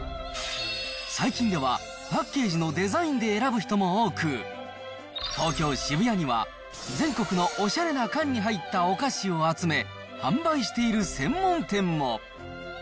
最近ではパッケージのデザインで選ぶ人も多く、東京・渋谷には、全国のおしゃれな缶に入ったお菓子を集め、販売している専門店も。